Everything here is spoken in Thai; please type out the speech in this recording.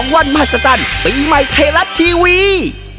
วันมหัศจรรย์ปีใหม่ไทยรัฐทีวี